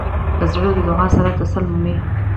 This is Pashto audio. زړه د دعا سره تسل مومي.